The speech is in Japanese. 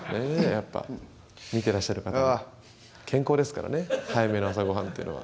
やっぱ見てらっしゃる方健康ですからね早めの朝ごはんっていうのは。